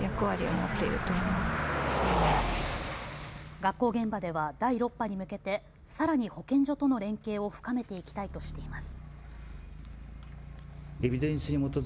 学校現場では第６波に向けてさらに保健所との連携を深めていきたいとしています。